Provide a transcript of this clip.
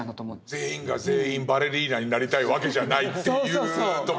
全員が全員バレリーナになりたいわけじゃないっていうところから。